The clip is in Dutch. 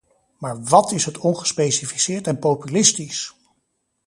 Maar wat is het ongespecificeerd en populistisch!